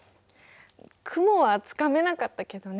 雲はつかめなかったけどね。